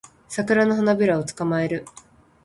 サクラの花びらを捕まえる